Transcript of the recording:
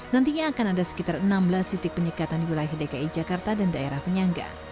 nantinya akan ada sekitar enam belas titik penyekatan di wilayah dki jakarta dan daerah penyangga